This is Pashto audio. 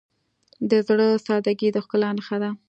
د زړه سادگی د ښکلا نښه ده.